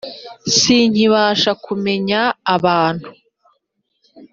sinkibasha kumenya abantu.